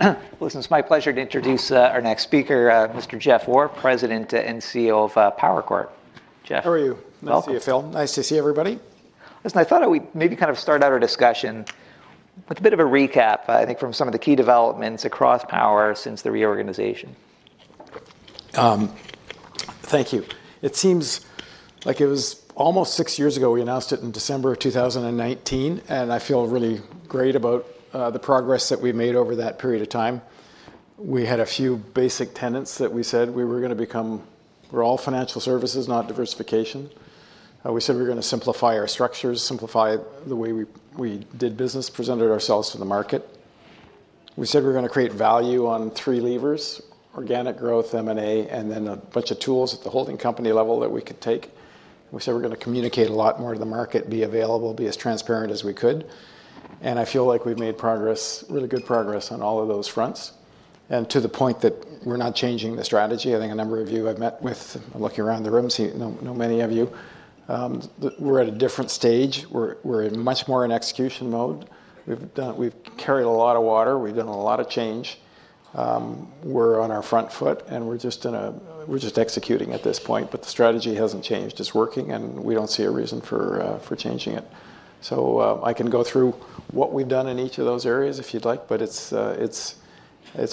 ... All right. Listen, it's my pleasure to introduce our next speaker, Mr. Jeff Orr, President and CEO of Power Corp. Jeff- How are you? Welcome. Nice to see you, Phil. Nice to see everybody. Listen, I thought that we'd maybe kind of start out our discussion with a bit of a recap, I think from some of the key developments across Power since the reorganization. Thank you. It seems like it was almost six years ago, we announced it in December of 2019, and I feel really great about the progress that we've made over that period of time. We had a few basic tenets that we said we were gonna become. We're all financial services, not diversification. We said we're gonna simplify our structures, simplify the way we did business, presented ourselves to the market. We said we're gonna create value on three levers: organic growth, M&A, and then a bunch of tools at the holding company level that we could take. We said we're gonna communicate a lot more to the market, be available, be as transparent as we could, and I feel like we've made progress, really good progress on all of those fronts. To the point that we're not changing the strategy, I think a number of you I've met with. I'm looking around the room. I know many of you. We're at a different stage. We're in much more execution mode. We've carried a lot of water. We've done a lot of change. We're on our front foot, and we're just executing at this point, but the strategy hasn't changed. It's working, and we don't see a reason for changing it. I can go through what we've done in each of those areas, if you'd like, but it's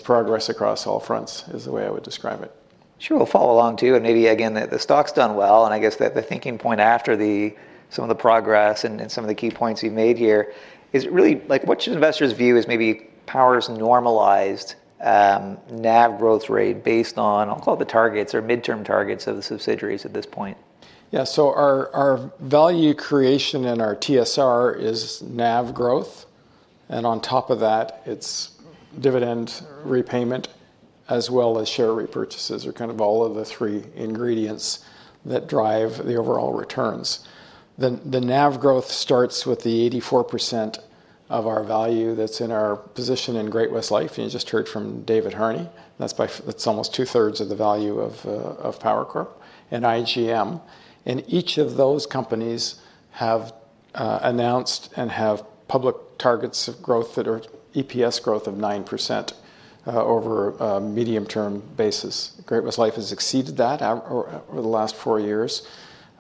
progress across all fronts, is the way I would describe it. Sure. We'll follow along, too, and maybe again, the stock's done well, and I guess the thinking point after some of the progress and some of the key points you've made here, is really, like, what should investors view as maybe Power's normalized NAV growth rate based on, I'll call it, the targets or midterm targets of the subsidiaries at this point? Yeah, so our value creation and our TSR is NAV growth, and on top of that, it's dividend repayment as well as share repurchases are kind of all of the three ingredients that drive the overall returns. The NAV growth starts with the 84% of our value that's in our position in Great-West Life, and you just heard from David Harney. That's almost two-thirds of the value of Power Corp and IGM, and each of those companies have announced and have public targets of growth that are EPS growth of 9% over a medium-term basis. Great-West Life has exceeded that over the last four years.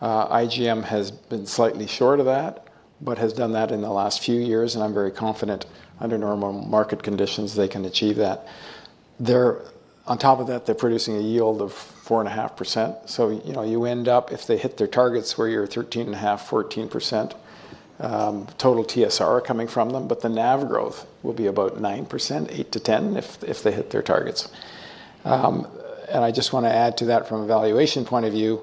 IGM has been slightly short of that, but has done that in the last few years, and I'm very confident, under normal market conditions, they can achieve that. They're... On top of that, they're producing a yield of 4.5%. So, you know, you end up, if they hit their targets, where you're 13.5-14%, total TSR coming from them, but the NAV growth will be about 9%, 8-10%, if, if they hit their targets. And I just want to add to that from a valuation point of view,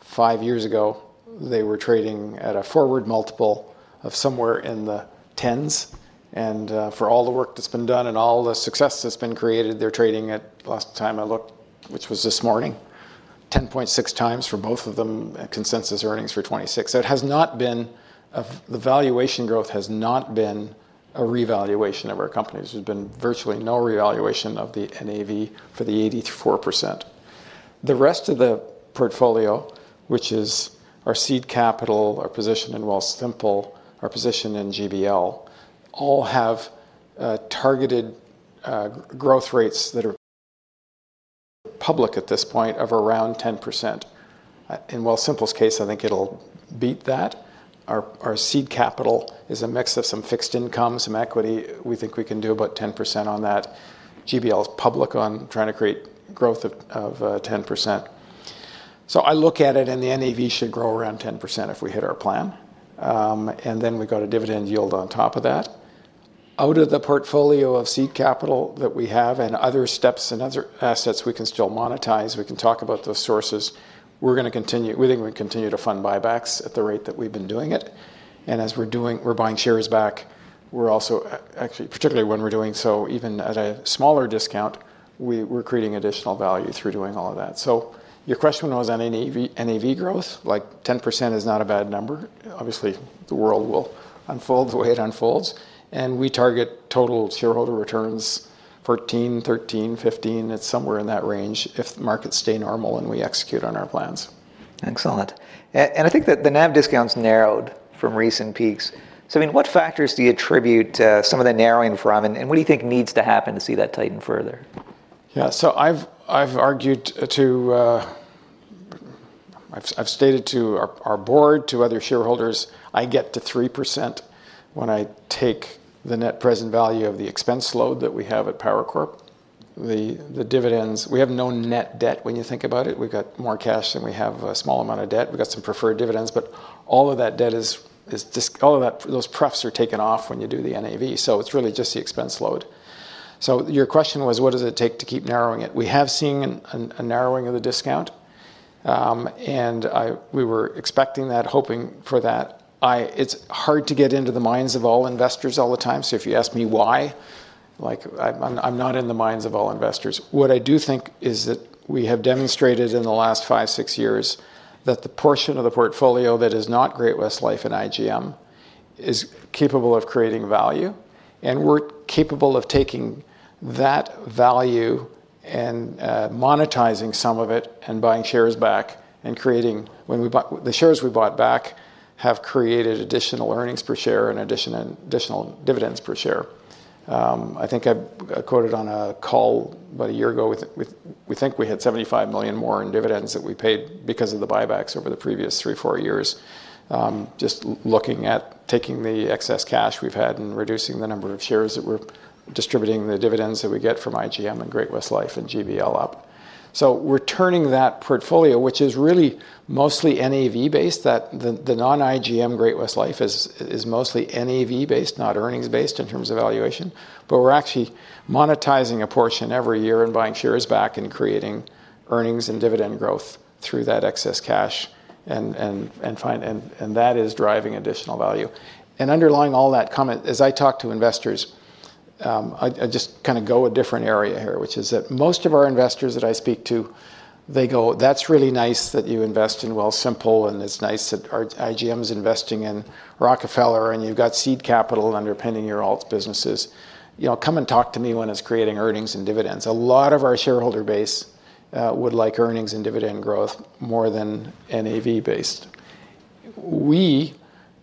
five years ago, they were trading at a forward multiple of somewhere in the tens, and, for all the work that's been done and all the success that's been created, they're trading at, last time I looked, which was this morning, 10.6 times for both of them, consensus earnings for 2026. It has not been the valuation growth has not been a revaluation of our companies. There's been virtually no revaluation of the NAV for the 84%. The rest of the portfolio, which is our seed capital, our position in Wealthsimple, our position in GBL, all have targeted growth rates that are public at this point of around 10%. In Wealthsimple's case, I think it'll beat that. Our seed capital is a mix of some fixed income, some equity. We think we can do about 10% on that. GBL's public on trying to create growth of 10%. So I look at it, and the NAV should grow around 10% if we hit our plan. And then we've got a dividend yield on top of that. Out of the portfolio of seed capital that we have and other steps and other assets we can still monetize, we can talk about those sources. We're gonna continue. We think we continue to fund buybacks at the rate that we've been doing it, and as we're doing, we're buying shares back, we're also actually, particularly when we're doing so, even at a smaller discount, we're creating additional value through doing all of that. So your question was on NAV, NAV growth, like 10% is not a bad number. Obviously, the world will unfold the way it unfolds, and we target total shareholder returns 13%-15%. It's somewhere in that range, if the markets stay normal and we execute on our plans. Excellent. And I think that the NAV discount's narrowed from recent peaks. So, I mean, what factors do you attribute some of the narrowing from, and what do you think needs to happen to see that tighten further? Yeah, so I've stated to our board, to other shareholders, I get to 3% when I take the net present value of the expense load that we have at Power Corp. The dividends. We have no net debt, when you think about it. We've got more cash than we have a small amount of debt. We've got some preferred dividends, but all of that debt is all of that, those prefs are taken off when you do the NAV, so it's really just the expense load. So your question was, what does it take to keep narrowing it? We have seen a narrowing of the discount, and we were expecting that, hoping for that. It's hard to get into the minds of all investors all the time, so if you ask me why, like, I'm not in the minds of all investors. What I do think is that we have demonstrated in the last five, six years, that the portion of the portfolio that is not Great-West Life and IGM is capable of creating value, and we're capable of taking that value and monetizing some of it and buying shares back, and creating when we bought the shares we bought back have created additional earnings per share and additional dividends per share. I think I've quoted on a call about a year ago with. We think we had 75 million more in dividends that we paid because of the buybacks over the previous three, four years. Just looking at taking the excess cash we've had and reducing the number of shares that we're distributing, the dividends that we get from IGM and Great-West Life and GVL up. So we're turning that portfolio, which is really mostly NAV-based, that the non-IGM Great-West Life is mostly NAV-based, not earnings-based in terms of valuation. But we're actually monetizing a portion every year and buying shares back, and creating earnings and dividend growth through that excess cash, and that is driving additional value. And underlying all that comment, as I talk to investors, I just kind of go a different area here, which is that most of our investors that I speak to, they go, "That's really nice that you invest in Wealthsimple, and it's nice that our IGM is investing in Rockefeller, and you've got seed capital underpinning your alts businesses. You know, come and talk to me when it's creating earnings and dividends." A lot of our shareholder base would like earnings and dividend growth more than NAV-based. We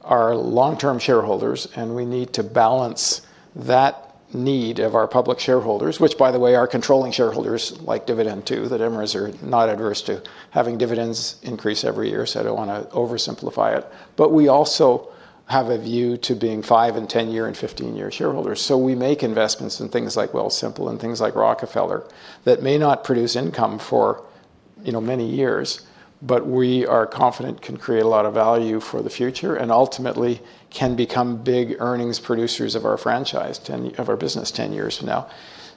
are long-term shareholders, and we need to balance that need of our public shareholders, which, by the way, our controlling shareholders like dividend too. The Desmarais are not adverse to having dividends increase every year, so I don't want to oversimplify it. But we also have a view to being 5- and 10-year and 15-year shareholders. So we make investments in things like Wealthsimple and things like Rockefeller, that may not produce income for, you know, many years, but we are confident can create a lot of value for the future, and ultimately can become big earnings producers of our franchise 10- of our business 10 years from now.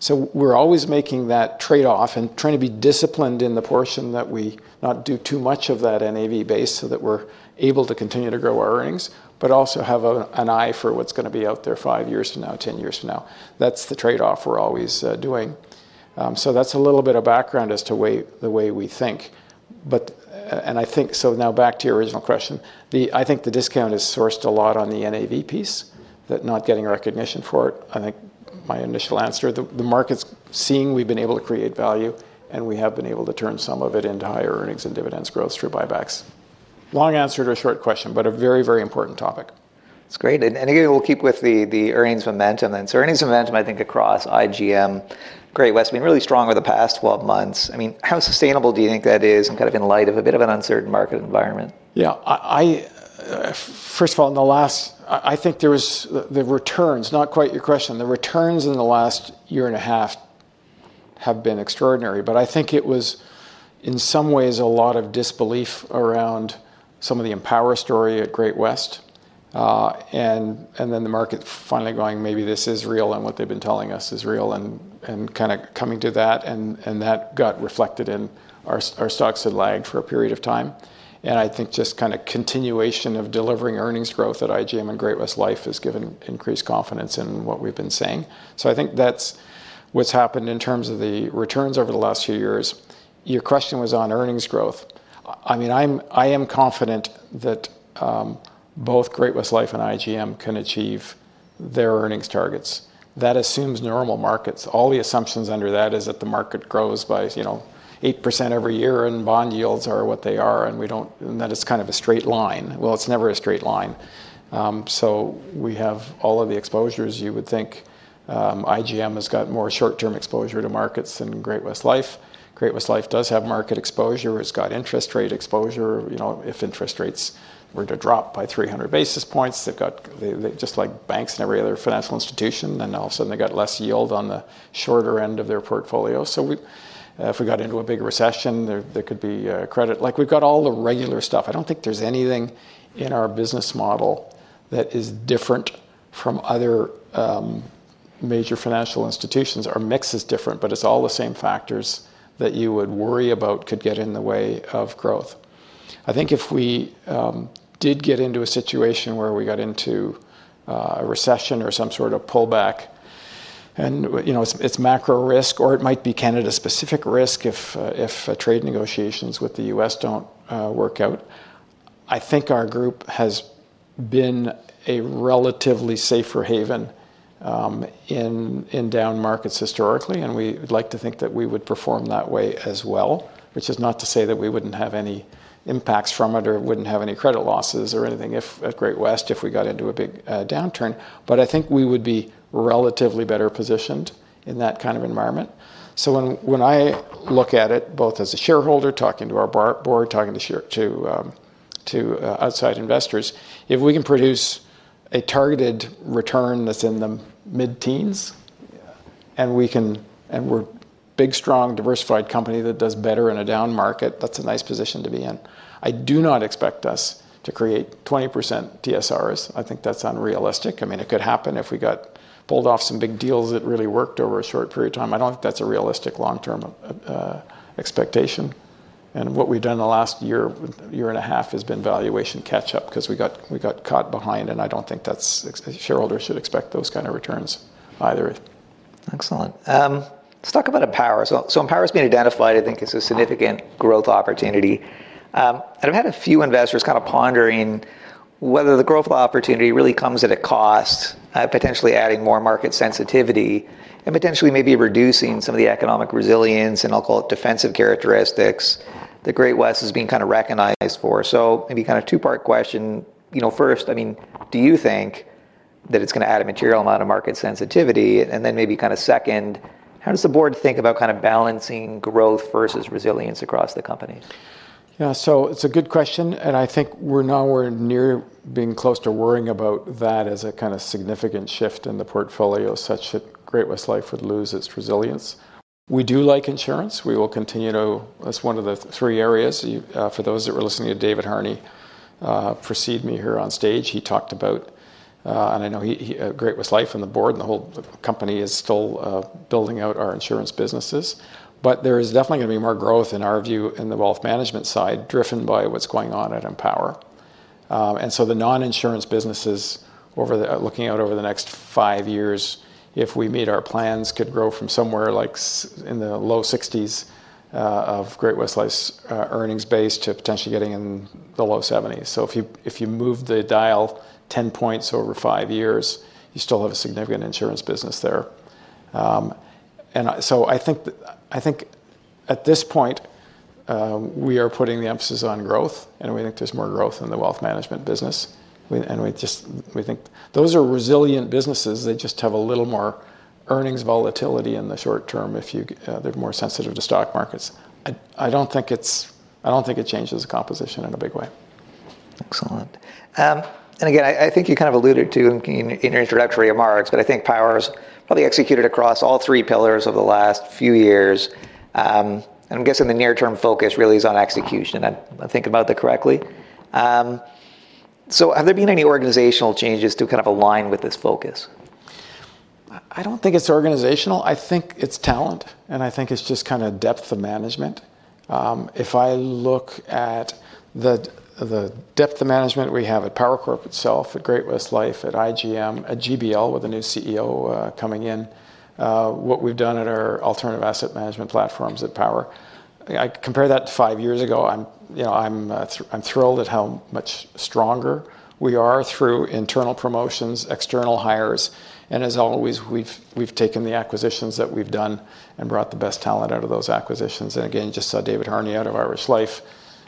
So we're always making that trade-off and trying to be disciplined in the portion that we not do too much of that NAV base, so that we're able to continue to grow our earnings, but also have a, an eye for what's going to be out there five years from now, 10 years from now. That's the trade-off we're always doing. So that's a little bit of background as to the way we think. But and I think. So now back to your original question. I think the discount is sourced a lot on the NAV piece, that not getting recognition for it. I think my initial answer, the market's seeing we've been able to create value, and we have been able to turn some of it into higher earnings and dividends growth through buybacks. Long answer to a short question, but a very, very important topic. It's great, and again, we'll keep with the earnings momentum then. So earnings momentum, I think, across IGM, Great-West, have been really strong over the past 12 months. I mean, how sustainable do you think that is and kind of in light of a bit of an uncertain market environment? Yeah, first of all, I think there was the returns, not quite your question, the returns in the last year and a half have been extraordinary. But I think it was, in some ways, a lot of disbelief around some of the Empower story at Great-West. And then the market finally going, "Maybe this is real, and what they've been telling us is real," and kind of coming to that, and that got reflected in our stocks. Our stocks had lagged for a period of time. And I think just kind of continuation of delivering earnings growth at IGM and Great-West Life has given increased confidence in what we've been saying. So I think that's what's happened in terms of the returns over the last few years. Your question was on earnings growth. I mean, I am confident that both Great-West Life and IGM can achieve their earnings targets. That assumes normal markets. All the assumptions under that is that the market grows by, you know, 8% every year, and bond yields are what they are, and that it's kind of a straight line. Well, it's never a straight line. So we have all of the exposures you would think. IGM has got more short-term exposure to markets than Great-West Life. Great-West Life does have market exposure. It's got interest rate exposure. You know, if interest rates were to drop by 300 basis points, they just like banks and every other financial institution, then all of a sudden, they got less yield on the shorter end of their portfolio. So, if we got into a big recession, there could be a credit... Like, we've got all the regular stuff. I don't think there's anything in our business model that is different from other major financial institutions. Our mix is different, but it's all the same factors that you would worry about could get in the way of growth. I think if we did get into a situation where we got into a recession or some sort of pullback, and you know, it's macro risk, or it might be Canada-specific risk if trade negotiations with the U.S. don't work out, I think our group has been a relatively safer haven in down markets historically, and we would like to think that we would perform that way as well, which is not to say that we wouldn't have any impacts from it or wouldn't have any credit losses or anything if, at Great-West, we got into a big downturn. But I think we would be relatively better positioned in that kind of environment. So when I look at it, both as a shareholder, talking to our board, talking to shareholders to outside investors, if we can produce a targeted return that's in the mid-teens, and we're a big, strong, diversified company that does better in a down market, that's a nice position to be in. I do not expect us to create 20% TSRs. I think that's unrealistic. I mean, it could happen if we pulled off some big deals that really worked over a short period of time. I don't think that's a realistic long-term expectation. And what we've done in the last year and a half has been valuation catch-up, 'cause we got caught behind, and I don't think shareholders should expect those kind of returns either. Excellent. Let's talk about Empower. So, Empower's been identified, I think, as a significant growth opportunity. And I've had a few investors kind of pondering whether the growth opportunity really comes at a cost, potentially adding more market sensitivity, and potentially maybe reducing some of the economic resilience, and I'll call it defensive characteristics that Great-West is being kind of recognized for. So maybe kind of two-part question. You know, first, I mean, do you think that it's gonna add a material amount of market sensitivity? And then maybe kind of second, how does the board think about kind of balancing growth versus resilience across the company? Yeah, so it's a good question, and I think we're now near being close to worrying about that as a kind of significant shift in the portfolio, such that Great-West Life would lose its resilience. We do like insurance. We will continue to... That's one of the three areas. For those that were listening to David Harney precede me here on stage, he talked about... and I know he Great-West Life and the board, and the whole company is still building out our insurance businesses, but there is definitely gonna be more growth, in our view, in the wealth management side, driven by what's going on at Empower. And so the non-insurance businesses over the looking out over the next five years, if we meet our plans, could grow from somewhere like in the low 60s of Great-West Life's earnings base to potentially getting in the low 70s. So if you move the dial ten points over five years, you still have a significant insurance business there. And so I think at this point we are putting the emphasis on growth, and we think there's more growth in the wealth management business. And we just think those are resilient businesses. They just have a little more earnings volatility in the short term if you, they're more sensitive to stock markets. I don't think it's... I don't think it changes the composition in a big way. Excellent. And again, I think you kind of alluded to in your introductory remarks, but I think Power's probably executed across all three pillars over the last few years. And I'm guessing the near-term focus really is on execution. Am I thinking about that correctly? So have there been any organizational changes to kind of align with this focus? I don't think it's organizational. I think it's talent, and I think it's just kind of depth of management. If I look at the depth of management we have at Power Corp. itself, at Great-West Life, at IGM, at GBL with a new CEO coming in, what we've done at our alternative asset management platforms at Power, I compare that to five years ago, you know, I'm thrilled at how much stronger we are through internal promotions, external hires, and as always, we've taken the acquisitions that we've done and brought the best talent out of those acquisitions. And again, just saw David Harney out of Irish Life,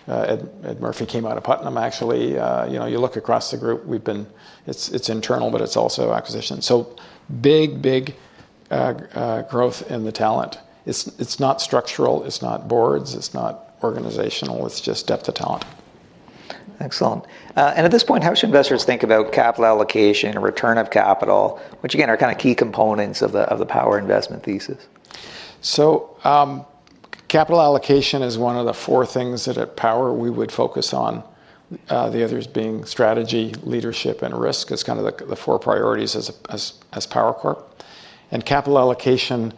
Ed Murphy came out of Putnam, actually. You know, you look across the group, we've been... It's internal, but it's also acquisition. So big, big growth in the talent. It's not structural, it's not boards, it's not organizational, it's just depth of talent. Excellent. And at this point, how should investors think about capital allocation and return of capital, which again, are kind of key components of the Power investment thesis? So, capital allocation is one of the four things that at Power we would focus on. The others being strategy, leadership, and risk as kind of the four priorities as Power Corp. And capital allocation,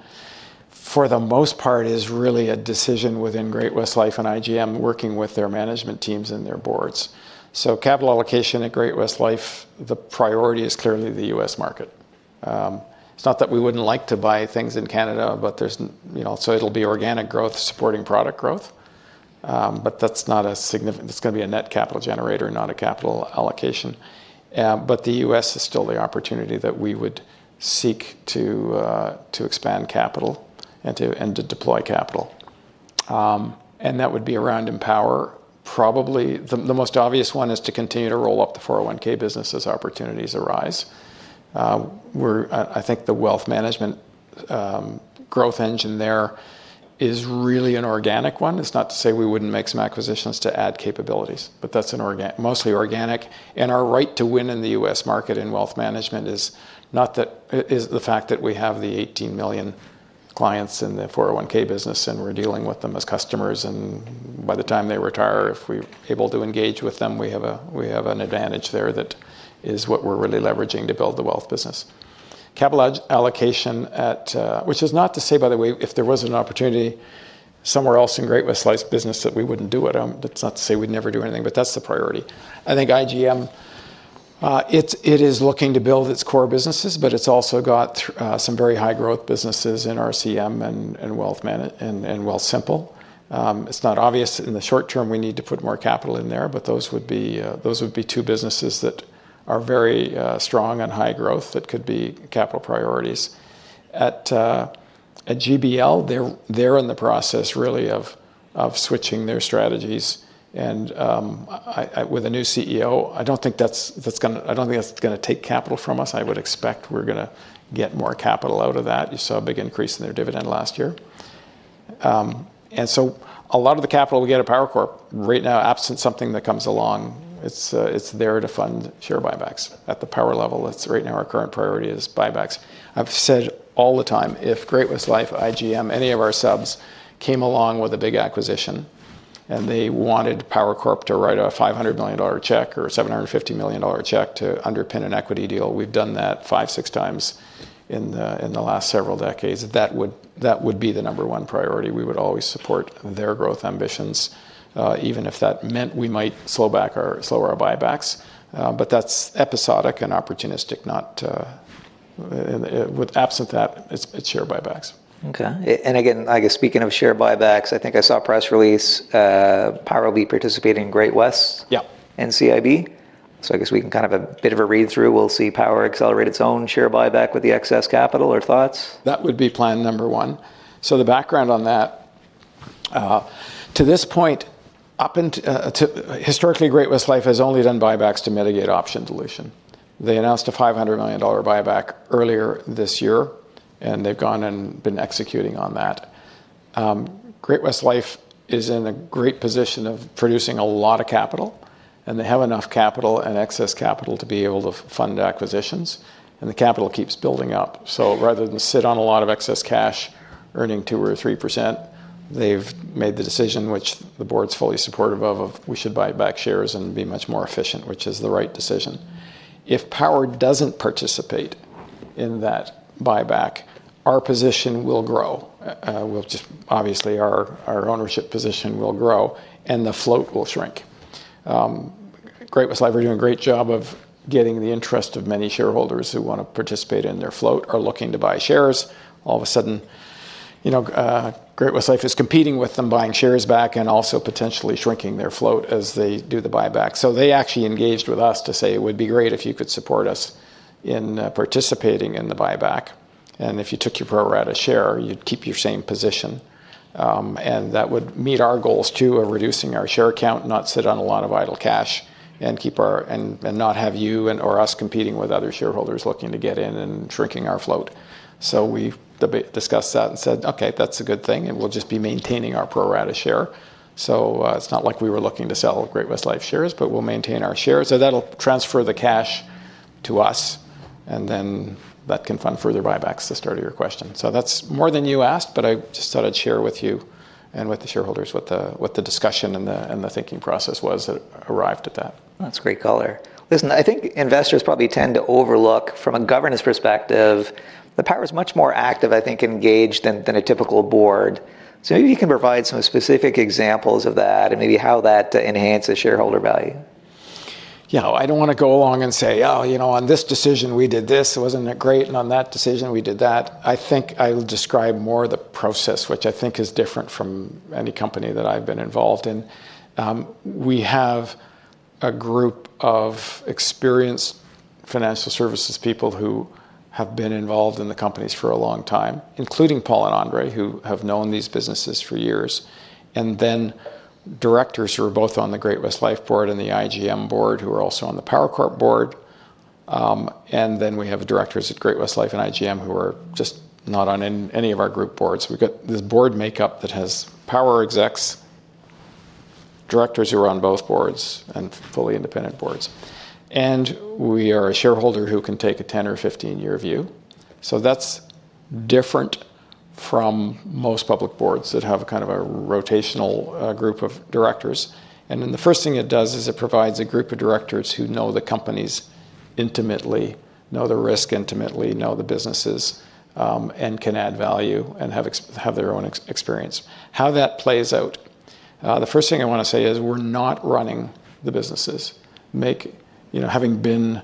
for the most part, is really a decision within Great-West Life and IGM, working with their management teams and their boards. So capital allocation at Great-West Life, the priority is clearly the U.S. market. It's not that we wouldn't like to buy things in Canada, but there's you know, so it'll be organic growth supporting product growth. But that's not a significant. It's gonna be a net capital generator, not a capital allocation. But the U.S. is still the opportunity that we would seek to expand capital and to deploy capital. And that would be around Empower. Probably, the most obvious one is to continue to roll up the 401(k) business as opportunities arise. We're. I think the wealth management growth engine there is really an organic one. It's not to say we wouldn't make some acquisitions to add capabilities, but that's an organic, mostly organic. Our right to win in the US market in wealth management is not that, is the fact that we have the 18 million clients in the 401(k) business, and we're dealing with them as customers, and by the time they retire, if we're able to engage with them, we have an advantage there. That is what we're really leveraging to build the wealth business. Capital allocation at. Which is not to say, by the way, if there was an opportunity somewhere else in Great-West Life's business, that we wouldn't do it. That's not to say we'd never do anything, but that's the priority. I think IGM is looking to build its core businesses, but it's also got some very high growth businesses in RCM and wealth management and Wealthsimple. It's not obvious in the short term we need to put more capital in there, but those would be two businesses that are very strong and high growth that could be capital priorities. At GBL, they're in the process really of switching their strategies, and with a new CEO, I don't think that's gonna take capital from us. I would expect we're gonna get more capital out of that. You saw a big increase in their dividend last year, and so a lot of the capital we get at Power Corp right now, absent something that comes along, it's there to fund share buybacks at the Power level. That's right now our current priority is buybacks. I've said all the time, if Great-West Life, IGM, any of our subs came along with a big acquisition, and they wanted Power Corp to write a 500 million dollar check or a 750 million dollar check to underpin an equity deal, we've done that five, six times in the last several decades. That would be the number one priority. We would always support their growth ambitions, even if that meant we might slow our buybacks. But that's episodic and opportunistic, and without that, it's share buybacks. Okay. And again, I guess, speaking of share buybacks, I think I saw a press release, Power will be participating in Great-West's- Yeah... NCIB. So I guess we can kind of a bit of a read-through. We'll see Power accelerate its own share buyback with the excess capital or thoughts? That would be plan number one, so the background on that, to this point, up until, historically, Great-West Life has only done buybacks to mitigate option dilution. They announced a 500 million dollar buyback earlier this year, and they've gone and been executing on that. Great-West Life is in a great position of producing a lot of capital, and they have enough capital and excess capital to be able to fund acquisitions, and the capital keeps building up, so rather than sit on a lot of excess cash, earning 2% or 3%, they've made the decision, which the board's fully supportive of, of we should buy back shares and be much more efficient, which is the right decision. If Power doesn't participate in that buyback, our position will grow. We'll just obviously our ownership position will grow, and the float will shrink. Great-West Life are doing a great job of getting the interest of many shareholders who want to participate in their float, are looking to buy shares. All of a sudden, you know, Great-West Life is competing with them, buying shares back and also potentially shrinking their float as they do the buyback. So they actually engaged with us to say, "It would be great if you could support us in participating in the buyback. And if you took your pro rata share, you'd keep your same position." And that would meet our goals, too, of reducing our share count, not sit on a lot of idle cash, and keep our... And not have you or us competing with other shareholders looking to get in and shrinking our float. So we discussed that and said, "Okay, that's a good thing, and we'll just be maintaining our pro rata share." It's not like we were looking to sell Great-West Life shares, but we'll maintain our shares. That'll transfer the cash to us, and then that can fund further buybacks to start your question. That's more than you asked, but I just thought I'd share with you and with the shareholders what the discussion and the thinking process was that arrived at that. That's great color. Listen, I think investors probably tend to overlook, from a governance perspective, that Power is much more active, I think, engaged than a typical board. So maybe you can provide some specific examples of that and maybe how that enhances shareholder value. Yeah, well, I don't want to go along and say, "Oh, you know, on this decision, we did this. Wasn't it great? And on that decision, we did that." I think I will describe more the process, which I think is different from any company that I've been involved in. We have a group of experienced financial services people who have been involved in the companies for a long time, including Paul and Andre, who have known these businesses for years, and then directors who are both on the Great-West Life board and the IGM board, who are also on the Power Corp board. And then we have directors at Great-West Life and IGM who are just not on any of our group boards. We've got this board makeup that has Power execs, directors who are on both boards, and fully independent boards. And we are a shareholder who can take a 10 or 15-year view. So that's different from most public boards that have a kind of a rotational group of directors. And then the first thing it does is it provides a group of directors who know the companies intimately, know the risk intimately, know the businesses, and can add value and have their own experience. How that plays out, the first thing I want to say is we're not running the businesses. You know, having been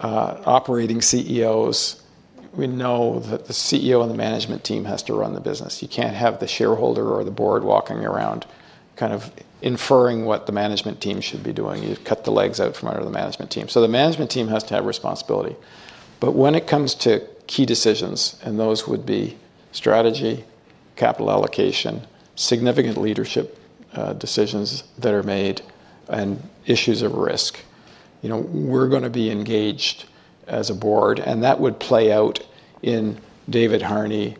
operating CEOs, we know that the CEO and the management team has to run the business. You can't have the shareholder or the board walking around kind of inferring what the management team should be doing. You cut the legs out from under the management team. So the management team has to have responsibility. But when it comes to key decisions, and those would be strategy, capital allocation, significant leadership, decisions that are made, and issues of risk, you know, we're gonna be engaged as a board, and that would play out in David Harney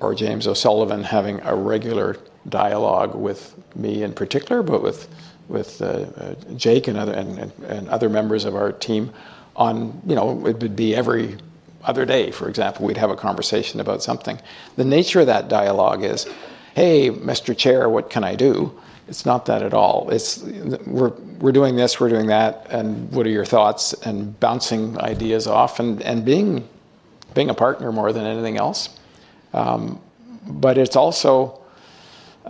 or James O'Sullivan having a regular dialogue with me in particular, but with Jake and other members of our team on. You know, it would be every other day, for example, we'd have a conversation about something. The nature of that dialogue is, "Hey, Mr. Chair, what can I do?" It's not that at all. It's, "We're doing this, we're doing that, and what are your thoughts?" And bouncing ideas off and being a partner more than anything else. But it's also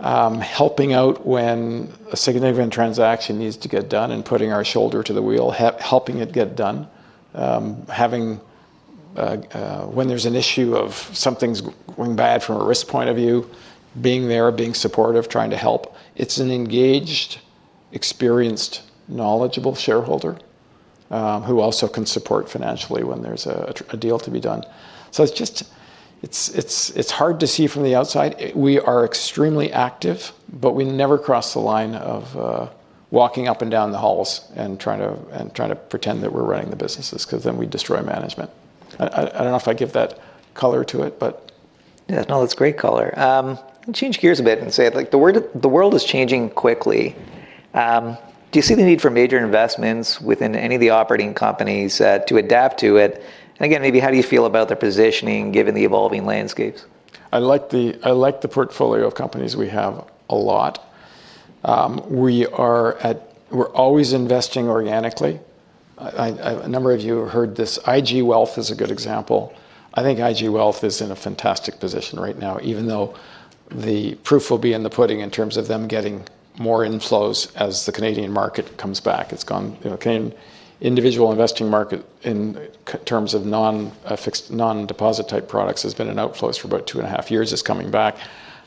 helping out when a significant transaction needs to get done and putting our shoulder to the wheel, helping it get done. Having when there's an issue of something's going bad from a risk point of view, being there, being supportive, trying to help. It's an engaged, experienced, knowledgeable shareholder who also can support financially when there's a deal to be done. So it's just hard to see from the outside. We are extremely active, but we never cross the line of walking up and down the halls and trying to pretend that we're running the businesses, because then we destroy management. I don't know if I give that color to it, but... Yeah, no, that's great color. Change gears a bit and say, like, the world is changing quickly. Do you see the need for major investments within any of the operating companies, to adapt to it? And again, maybe how do you feel about their positioning, given the evolving landscapes? I like the portfolio of companies we have a lot. We're always investing organically. A number of you heard this, IG Wealth is a good example. I think IG Wealth is in a fantastic position right now, even though the proof will be in the pudding in terms of them getting more inflows as the Canadian market comes back. You know, Canadian individual investing market in terms of non-fixed non-deposit type products has been in outflows for about two and a half years. It's coming back.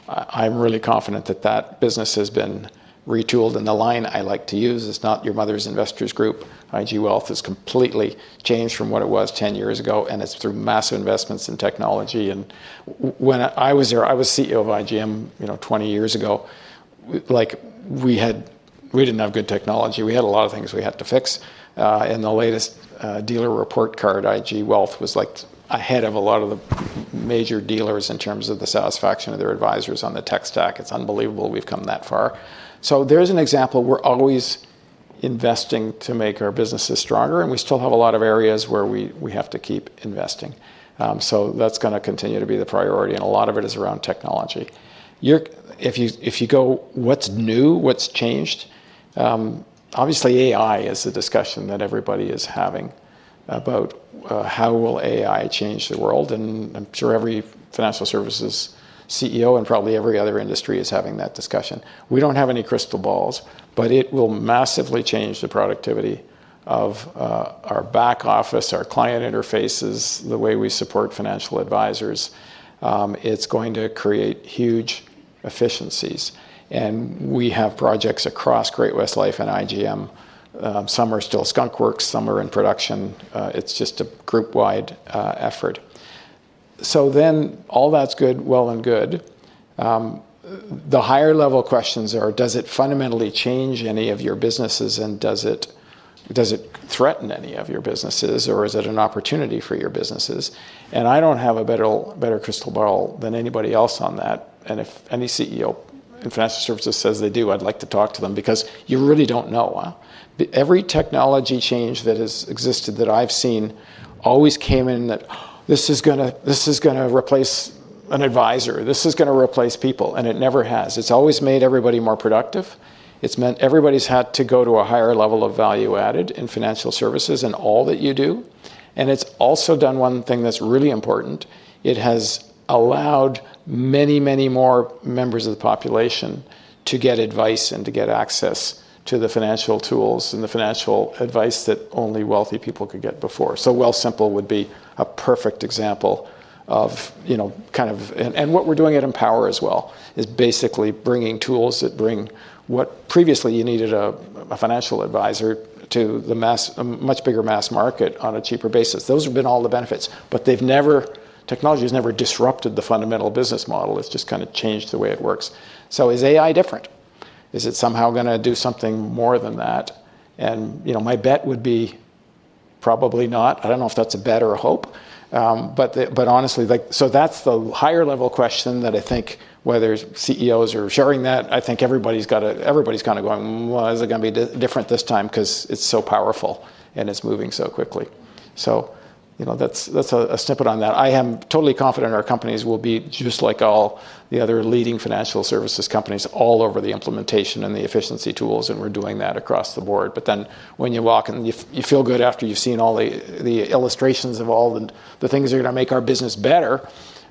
I'm really confident that that business has been retooled, and the line I like to use, "It's not your mother's Investors Group." IG Wealth has completely changed from what it was 10 years ago, and it's through massive investments in technology. And when I was there, I was CEO of IGM, you know, 20 years ago. Like, we didn't have good technology. We had a lot of things we had to fix. In the latest dealer report card, IG Wealth was, like, ahead of a lot of the major dealers in terms of the satisfaction of their advisors on the tech stack. It's unbelievable we've come that far. So there's an example. We're always investing to make our businesses stronger, and we still have a lot of areas where we have to keep investing. So that's gonna continue to be the priority, and a lot of it is around technology. If you go, what's new? What's changed? Obviously, AI is the discussion that everybody is having about how will AI change the world, and I'm sure every financial services CEO, and probably every other industry, is having that discussion. We don't have any crystal balls, but it will massively change the productivity of our back office, our client interfaces, the way we support financial advisors. It's going to create huge efficiencies, and we have projects across Great-West Life and IGM. Some are still skunk works, some are in production. It's just a group-wide effort. So then all that's good, well and good. The higher-level questions are: Does it fundamentally change any of your businesses, and does it, does it threaten any of your businesses, or is it an opportunity for your businesses? I don't have a better crystal ball than anybody else on that, and if any CEO in financial services says they do, I'd like to talk to them because you really don't know, huh? Every technology change that has existed, that I've seen, always came in that, "This is gonna... This is gonna replace an advisor. This is gonna replace people," and it never has. It's always made everybody more productive. It's meant everybody's had to go to a higher level of value added in financial services in all that you do, and it's also done one thing that's really important. It has allowed many, many more members of the population to get advice and to get access to the financial tools and the financial advice that only wealthy people could get before. So Wealthsimple would be a perfect example of, you know, kind of, and what we're doing at Empower as well is basically bringing tools that bring what previously you needed a financial advisor to a much bigger mass market on a cheaper basis. Those have been all the benefits, but they've never, technology has never disrupted the fundamental business model. It's just kind of changed the way it works. So is AI different? Is it somehow gonna do something more than that? And, you know, my bet would be probably not. I don't know if that's a bet or a hope, but honestly, like... That's the higher level question that I think, whether CEOs are sharing that, I think everybody's got to, everybody's kind of going, "Well, is it gonna be different this time?" Because it's so powerful, and it's moving so quickly. You know, that's a snippet on that. I am totally confident our companies will be just like all the other leading financial services companies all over the implementation and the efficiency tools, and we're doing that across the board. But then, when you walk and you feel good after you've seen all the illustrations of all the things that are gonna make our business better,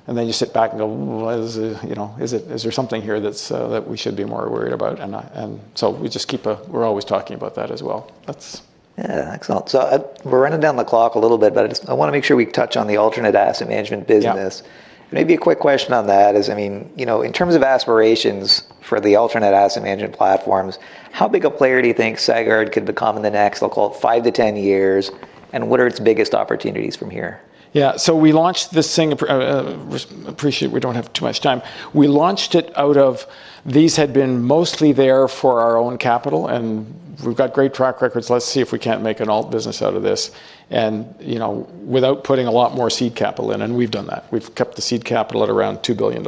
and then you sit back and go, "Well, you know, is there something here that's that we should be more worried about?" And so we just keep. We're always talking about that as well. That's- Yeah, excellent. So we're running down the clock a little bit, but I just, I want to make sure we touch on the alternative asset management business. Yeah. Maybe a quick question on that is, I mean, you know, in terms of aspirations for the alternative asset management platforms, how big a player do you think Sagard could become in the next, let's call it, five to 10 years, and what are its biggest opportunities from here? Yeah. So we launched this thing. Appreciate we don't have too much time. We launched it out of... These had been mostly there for our own capital, and we've got great track records. Let's see if we can't make an alt business out of this, and you know, without putting a lot more seed capital in, and we've done that. We've kept the seed capital at around $2 billion,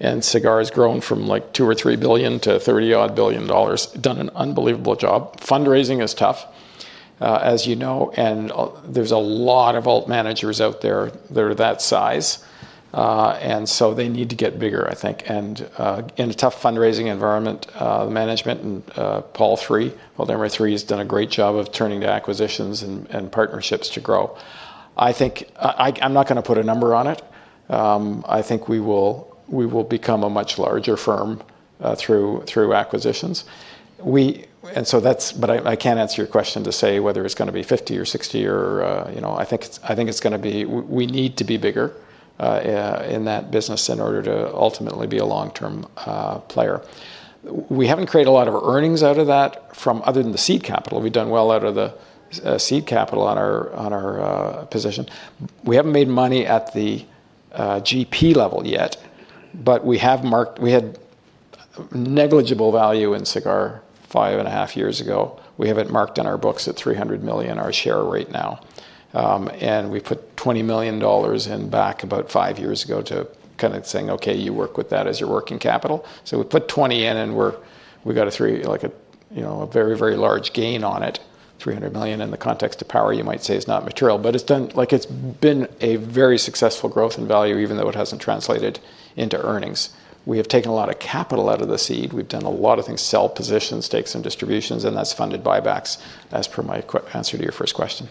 and Sagard has grown from, like, $2-$3 billion to $30-odd billion. Done an unbelievable job. Fundraising is tough, as you know, and there's a lot of alt managers out there that are that size, and so they need to get bigger, I think. In a tough fundraising environment, management and Paul III, Waldemar III, has done a great job of turning to acquisitions and partnerships to grow. I think I'm not gonna put a number on it. I think we will become a much larger firm through acquisitions, and so that's, but I can't answer your question to say whether it's gonna be 50 or 60 or... You know, I think it's gonna be. We need to be bigger in that business in order to ultimately be a long-term player. We haven't created a lot of earnings out of that other than the seed capital. We've done well out of the seed capital on our position. We haven't made money at the GP level yet, but we have marked. We had negligible value in Sagard five and a half years ago. We have it marked on our books at 300 million, our share right now, and we put 20 million dollars in back about five years ago to kind of saying, "Okay, you work with that as your working capital." So we put 20 in, and we got a 300, like a, you know, a very, very large gain on it. 300 million in the context of Power, you might say, is not material, but it's like, it's been a very successful growth in value, even though it hasn't translated into earnings. We have taken a lot of capital out of the seed. We've done a lot of things, sell positions, stakes, and distributions, and that's funded buybacks, as per my answer to your first question....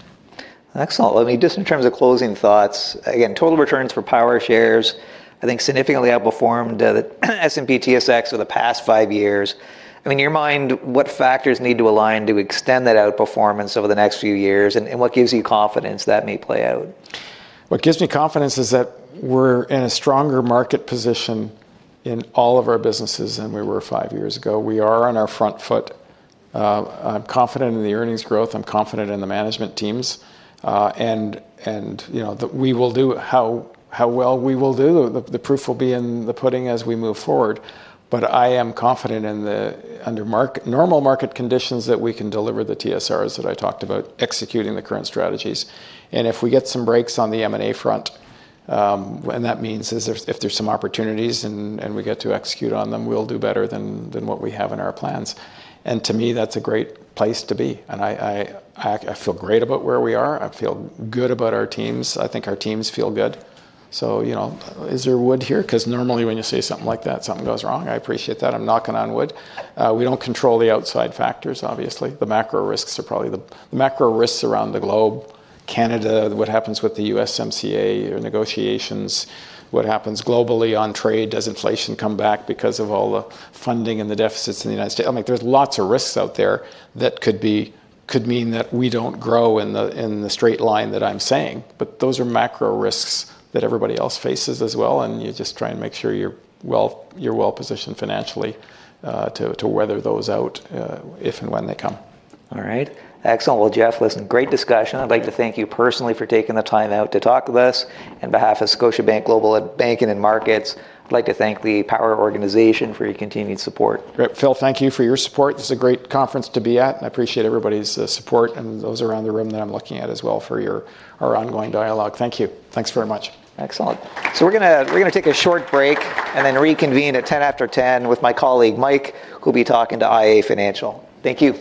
Excellent. Well, I mean, just in terms of closing thoughts, again, total returns for Power Shares, I think, significantly outperformed the S&P TSX over the past five years. I mean, in your mind, what factors need to align to extend that outperformance over the next few years, and what gives you confidence that may play out? What gives me confidence is that we're in a stronger market position in all of our businesses than we were five years ago. We are on our front foot. I'm confident in the earnings growth. I'm confident in the management teams, and you know, how well we will do, the proof will be in the pudding as we move forward. But I am confident under normal market conditions that we can deliver the TSRs that I talked about, executing the current strategies. And if we get some breaks on the M&A front, and that means if there's some opportunities and we get to execute on them, we'll do better than what we have in our plans. And to me, that's a great place to be, and I feel great about where we are. I feel good about our teams. I think our teams feel good. So, you know, is there wood here? 'Cause normally when you say something like that, something goes wrong. I appreciate that. I'm knocking on wood. We don't control the outside factors, obviously. The macro risks are probably the... The macro risks around the globe, Canada, what happens with the USMCA or negotiations, what happens globally on trade? Does inflation come back because of all the funding and the deficits in the United States? I mean, there's lots of risks out there that could mean that we don't grow in the straight line that I'm saying, but those are macro risks that everybody else faces as well, and you just try and make sure you're well-positioned financially to weather those out if and when they come. All right. Excellent. Well, Jeff, listen, great discussion. I'd like to thank you personally for taking the time out to talk with us. On behalf of Scotiabank Global Banking and Markets, I'd like to thank the Power organization for your continued support. Great. Phil, thank you for your support. This is a great conference to be at, and I appreciate everybody's support, and those around the room that I'm looking at as well for your, our ongoing dialogue. Thank you. Thanks very much. Excellent. So we're gonna, we're gonna take a short break, and then reconvene at 10 after 10 with my colleague Mike, who'll be talking to iA Financial. Thank you.